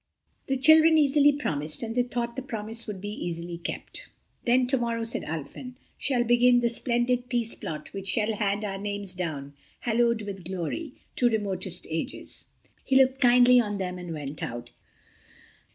The children easily promised—and they thought the promise would be easily kept. "Then tomorrow," said Ulfin, "shall begin the splendid Peace Plot which shall hand our names down, haloed with glory, to remotest ages." He looked kindly on them and went out.